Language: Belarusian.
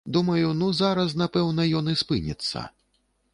Думаю, ну, зараз, напэўна, ён і спыніцца.